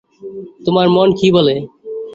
তোমার মন কী বলে?